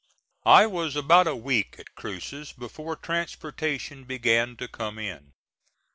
I was about a week at Cruces before transportation began to come in.